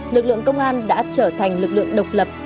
lực lượng công an đã trở thành lực lượng độc lập